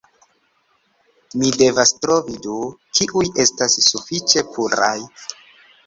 Mi devas trovi du, kiuj estas sufiĉe puraj